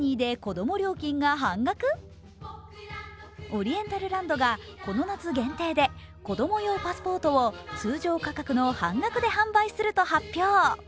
オリエンタルランドがこの夏限定で子供用パスポートを通常価格の半額で販売すると発表。